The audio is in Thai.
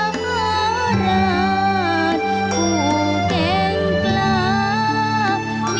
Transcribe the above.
มหารักภูเข็งคลับ